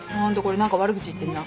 なんか悪口言ってんな。